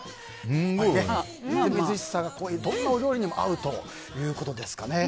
みずみずしさがどんなお料理にも合うということですかね。